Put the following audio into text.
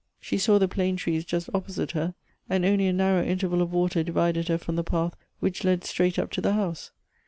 She saw the plane trees just oppo site her, and only a narrow interval of water divided her from the path which led straight up to the house.